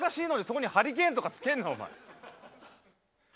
そこにハリケーンとかつけんなお前。